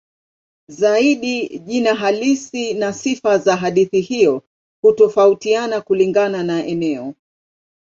Zaidi jina halisi na sifa za hadithi hiyo hutofautiana kulingana na eneo.